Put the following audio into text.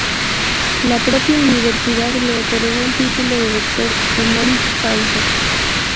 La propia universidad le otorgó el título de doctor honoris causa.